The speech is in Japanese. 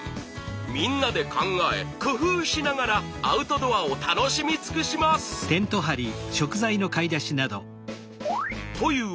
みんなで考え工夫しながらアウトドアを楽しみ尽くします！という